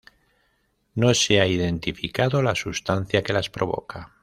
No se ha identificado la sustancia que las provoca.